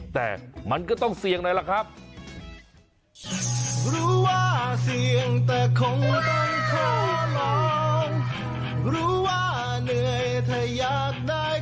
แต่มันก็ต้องเสี่ยงหน่อยล่ะครับ